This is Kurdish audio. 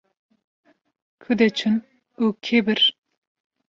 Ku de çûn û kê bir?